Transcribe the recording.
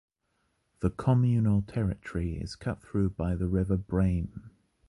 The communal territory is cut through by the river Brame.